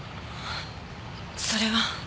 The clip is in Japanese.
それは。